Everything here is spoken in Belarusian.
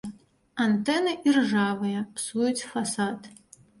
Антэны іржавыя, псуюць фасад.